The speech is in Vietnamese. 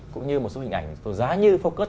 cũng như một số hình ảnh giá như focus